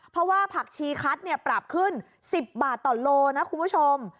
เพราะว่าผักชีคัดปรับขึ้น๑๐บาทต่อโลนะคุณผู้ชม